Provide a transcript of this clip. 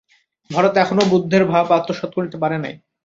ভারত এখনও বুদ্ধের ভাব আত্মসাৎ করিতে পারে নাই।